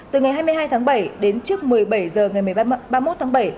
từ ngày hai mươi hai tháng bảy đến trước một mươi bảy h ngày ba mươi một tháng bảy